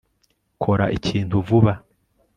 kora ikintu vuba